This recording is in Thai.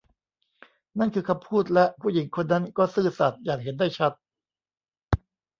นั่นคือคำพูดและผู้หญิงคนนั้นก็ซื่อสัตย์อย่างเห็นได้ชัด